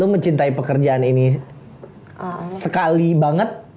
mencintai pekerjaan ini sekali banget